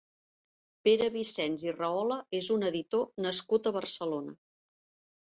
Pere Vicens i Rahola és un editor nascut a Barcelona.